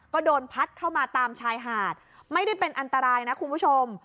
ก็โดนพัดเข้ามาตามชายหาดไม่ได้เป็นอันตรายนะคุณผู้ชม